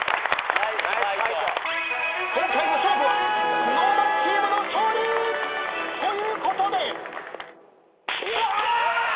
今回の勝負はＳｎｏｗＭａｎチームの勝利！ということで。